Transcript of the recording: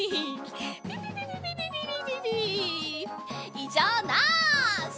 いじょうなし！